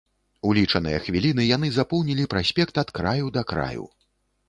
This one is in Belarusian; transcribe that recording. У лічаныя хвіліны яны запоўнілі праспект ад краю да краю.